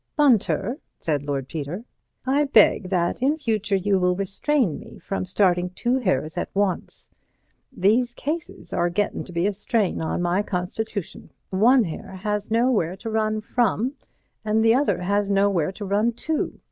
"Bunter," said Lord Peter, "I beg that in the future you will restrain me from starting two hares at once. These cases are gettin' to be a strain on my constitution. One hare has nowhere to run from, and the other has nowhere to run to.